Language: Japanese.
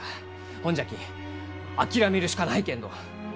ほんじゃき諦めるしかないけんど！